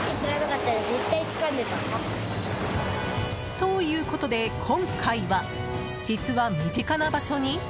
ということで、今回は実は身近な場所に？